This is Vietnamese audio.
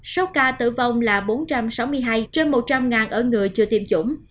số ca tử vong là bốn trăm sáu mươi hai trên một trăm linh ở người chưa tiêm chủng